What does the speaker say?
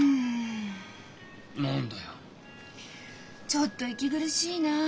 ちょっと息苦しいなあ。